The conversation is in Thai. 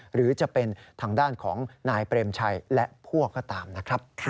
หรือจะเป็นทางด้านของนายเปรมชัยและพวกก็ตามนะครับ